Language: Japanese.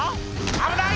危ない！